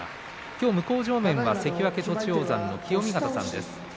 向正面は関脇栃煌山の清見潟さんです。